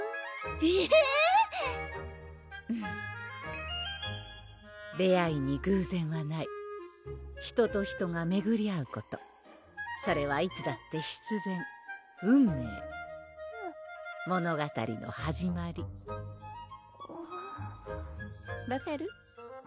えぇ⁉出会いに偶然はない人と人がめぐり会うことそれはいつだって必然運命物語の始まり分かる？